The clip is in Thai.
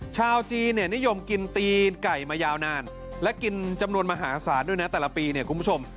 ชาวจีนเนี่ยนิยมกินตีนไก่มายาวนานและกินจำนวนมหาศาลด้วยนะแต่ละปีเนี่ยคุณผู้ชม